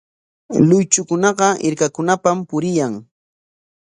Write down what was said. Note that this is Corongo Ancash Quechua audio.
Luychukunaqa hirkakunapam puriyan.